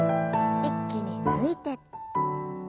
一気に抜いて。